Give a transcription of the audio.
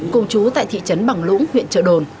cùng chú tại thị trấn bằng lũng huyện trợ đồn